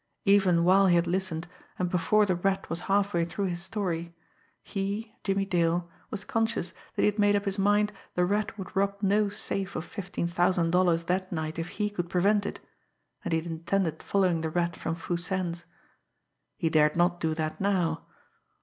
Even while he had listened, and before the Rat was halfway through his story, he, Jimmie Dale, was conscious that he had made up his mind the Rat would rob no safe of fifteen thousand dollars that night if he could prevent it, and he had intended following the Rat from Foo Sen's. He dared not do that now.